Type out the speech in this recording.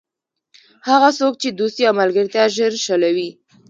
هغه څوک چې دوستي او ملګرتیا ژر شلوي.